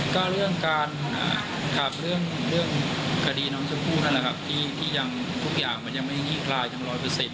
ก็เรื่องการขาบเรื่องเรื่องคดีน้องเจ้าผู้นั่นแหละครับที่ที่ยังทุกอย่างมันยังไม่ที่คลายถึงร้อยเปอร์เซ็นต์